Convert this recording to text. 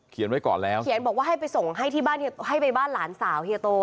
เขียนไว้ก่อนแล้วเขียนบอกว่าให้ไปส่งให้ไปบ้านหลานสาวเฮโต